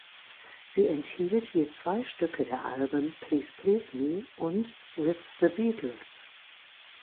Sie enthielt je zwei Stücke der Alben "Please Please Me" und "With the Beatles".